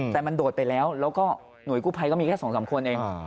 แต่มันโดดไปแล้วแล้วก็หน่วยกู้ภัยก็มีแค่๒๓คนเอง